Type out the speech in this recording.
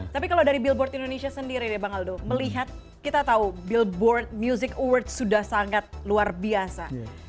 tapi kalau dari billboard indonesia sendiri deh bang aldo melihat kita tahu billboard music award sudah sangat luar biasa